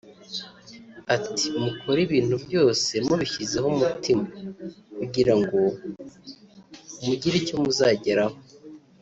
ati “mukore ibintu byose mubishyizeho umutima; kugira ngo mugire icyo muzageraho